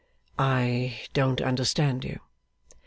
'I don't understand you.